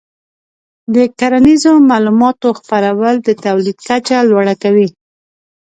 د کرنیزو معلوماتو خپرول د تولید کچه لوړه کوي.